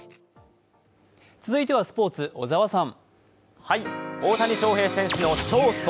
続いてはスポーツ、小沢さん